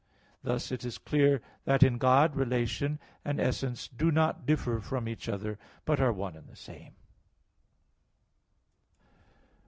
Thus it is clear that in God relation and essence do not differ from each other, but are one and the same.